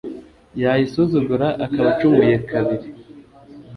yayisuzugura, akaba acumuye kabiri